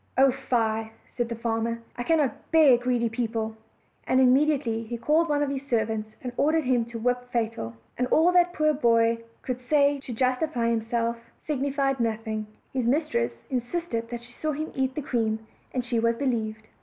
"Oh, fie," said the farmer, "I cannot bear greedy peo ple;" and immediately he called one of his servants, and ordered him to whip Fatal: and all that the poor boy \could say to justify himself signified nothing; his mis tress insisted that she saw him eat the cream and she was believed.